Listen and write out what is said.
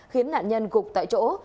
khiến nạn nhân gục tại chỗ